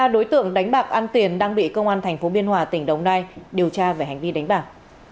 một mươi ba đối tượng đánh bạc ăn tiền đang bị công an thành phố biên hòa tỉnh đồng nai điều tra về hành vi đánh bạc